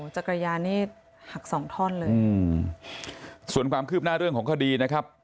จักรยานนี่หักสองท่อนเลยอืมส่วนความคืบหน้าเรื่องของคดีนะครับ